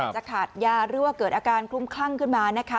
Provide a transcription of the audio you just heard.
จะขาดยาหรือว่าเกิดอาการคลุ้มคลั่งขึ้นมานะคะ